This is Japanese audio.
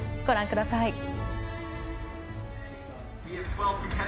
ご覧ください。